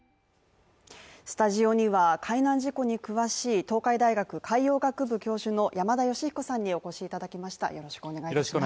スタジオには海難事故に詳しい東海大学海洋学部教授の山田吉彦さんにお越しいただきました。